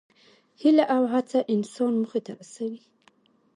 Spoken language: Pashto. هیله او هڅه انسان موخې ته رسوي.